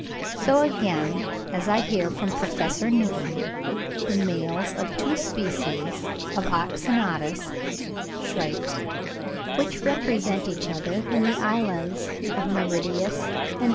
So, again, as I hear from Professor Newton, the males of two species of Oxynotus (shrikes), which represent each other in the islands of Mauritius and Bourbon (8.